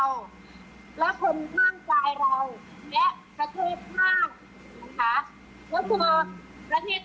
ก็คือเป็นการสร้างภูมิต้านทานหมู่ทั่วโลกด้วยค่ะ